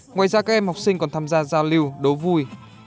ngoài ra các em học sinh còn tham gia giao lưu đố vui